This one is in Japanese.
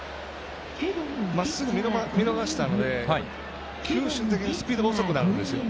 まっすぐ見逃したので球種的にスピードが遅くなるんですよ。